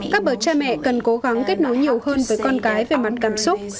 các bậc cha mẹ cần cố gắng kết nối nhiều hơn với con cái về mặt cảm xúc